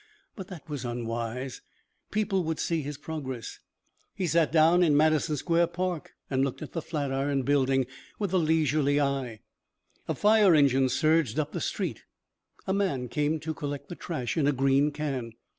But that was unwise. People would see his progress. He sat down in Madison Square Park and looked at the Flatiron Building with a leisurely eye. A fire engine surged up the street. A man came to collect the trash in a green can.